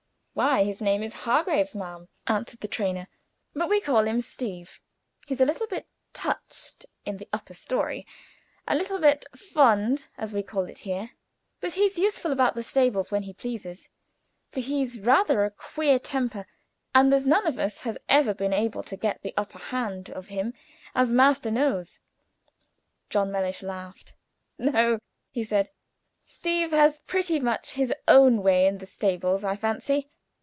"Why, his name is Hargraves, ma'am," answered the trainer; "but we call him Steeve. He's a little bit touched in the upper story a little bit 'fond,' as we call it here; but he's useful about the stables when he pleases, for he's rather a queer temper, and there's none of us has ever been able to get the upper hand of him, as master knows." John Mellish laughed. "No," he said; "Steeve has pretty much his own way in the stables, I fancy.